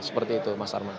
seperti itu mas arman